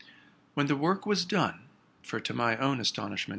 When the work was done, — for, to my own astonishment.